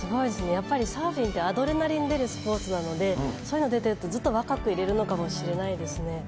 やっぱりサーフィンってアドレナリン出るスポーツなので、そういうの出てると、ずっと若くいれるのかもしれないですね。